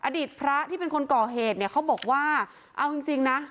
อดีตพระที่เป็นคนก่อเหตุเนี่ยเขาบอกว่าเอาจริงจริงนะ